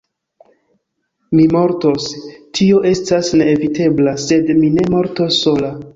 Mi mortos; tio estas neevitebla: sed mi ne mortos sola.